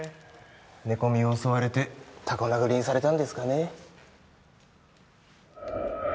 寝込み襲われてタコ殴りにされたんですかね